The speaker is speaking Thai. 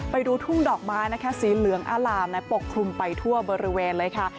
ไปดูทุ่งดอกไม้นะคะสีเหลืองอล่ามปกคลุมไปทั่วบริเวณเลยค่ะ